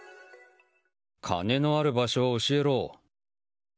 金のある場所を教えろ。